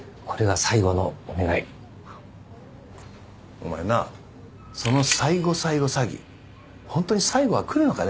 お前なその最後最後詐欺ホントに最後が来るのかね？